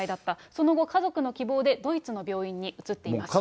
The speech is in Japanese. その後、家族の希望でドイツの病院に移っています。